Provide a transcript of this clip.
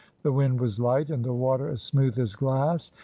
The wind was light, and the water as smooth as glass.